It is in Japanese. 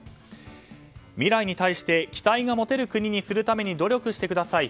未来に対して期待が持てる国にするために努力してください